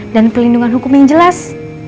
dan pelindungan hukum yang jelas